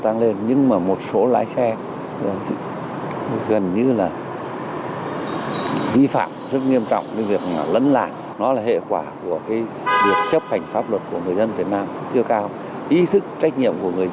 bàn mội giá phải cố gắng